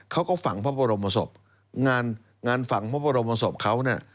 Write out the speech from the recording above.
เขาก็ฝังพระบรมศพงานงานฝังพระบรมศพเขาเนี่ย